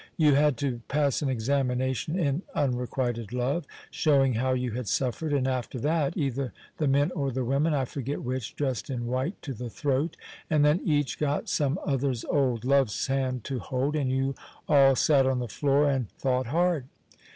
You had to pass an examination in unrequited love, showing how you had suffered, and after that either the men or the women (I forget which) dressed in white to the throat, and then each got some other's old love's hand to hold, and you all sat on the floor and thought hard.